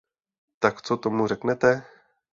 Tak co tomu řeknete!